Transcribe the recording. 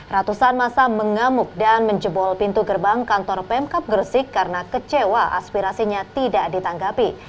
ratusan masa mengamuk dan menjebol pintu gerbang kantor pemkap gresik karena kecewa aspirasinya tidak ditanggapi